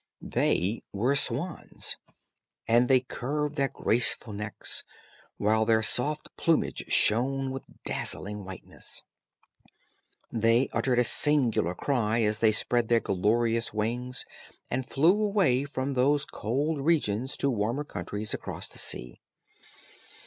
They were swans, and they curved their graceful necks, while their soft plumage shown with dazzling whiteness. They uttered a singular cry, as they spread their glorious wings and flew away from those cold regions to warmer countries across the sea.